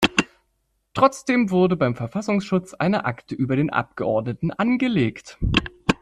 Trotzdem wurde beim Verfassungsschutz eine Akte über den Abgeordneten angelegt.